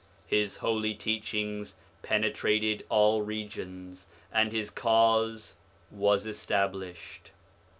His holy teachings pene trated all regions, and his Cause was established.